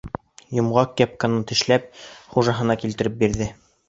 Йомғаҡ кепканы тешләп хужаһына килтереп бирҙе.